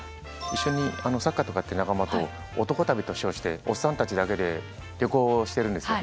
一緒にサッカーとかやってる仲間と男旅と称しておっさんたちだけで旅行をしてるんですよ。